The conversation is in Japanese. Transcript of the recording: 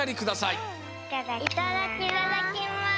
いただきます。